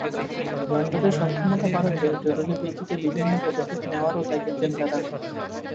বন্দরের সক্ষমতা বাড়াতে জরুরি ভিত্তিতে বিভিন্ন পদক্ষেপ নেওয়ারও তাগিদ দেন তাঁরা।